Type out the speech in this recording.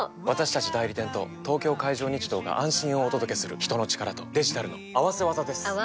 私たち代理店と東京海上日動が安心をお届けする人の力とデジタルの合わせ技です！